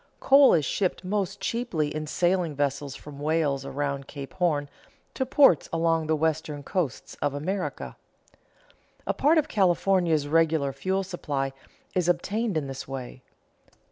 Coal is shipped most cheaply in sailing vessels from Wales around Cape Horn to ports along the western coasts of America. A part of California's regular fuel supply is obtained in this way.